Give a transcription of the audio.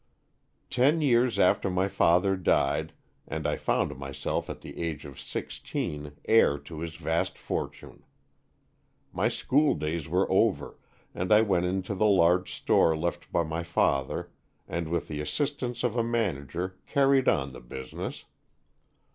Ten years after my father died and I found myself at the age of sixteen heir to his vast fortune. My schooldays were over, and I went into the large store left by my father and with the assistance of a manager carried on the business.